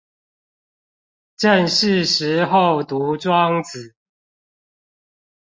正是時候讀莊子